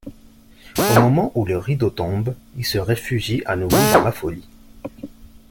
Au moment où le rideau tombe, il se réfugie à nouveau dans la folie.